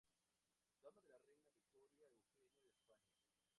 Dama de la Reina Victoria Eugenia de España.